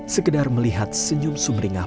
sekedar melihat senyum sumringah